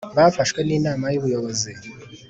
Byafashwe n’ inama y’ubuyobozi